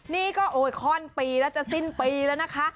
นี่ก็โอ้ยข้อนปีแล้วจะสิ้นปีแล้วนะคะ